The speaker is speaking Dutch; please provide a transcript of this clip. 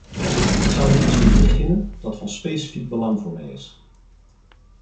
Ik zou met iets willen beginnen dat van specifiek belang voor mij is.